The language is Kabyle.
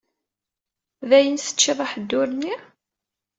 Dayen teččiḍ aḥeddur-nni?